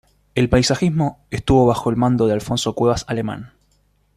El paisajismo estuvo bajo el mando de Alfonso Cuevas Alemán.